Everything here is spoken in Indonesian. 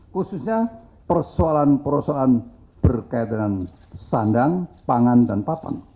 khususnya persoalan persoalan berkaitan dengan sandang pangan dan papan